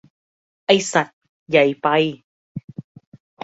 ไอ้สัส ใหญ่ไป !